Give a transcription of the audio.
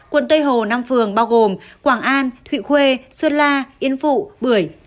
quận tây hồ năm phường bao gồm quảng an thụy khuê sơn la yên phụ bưởi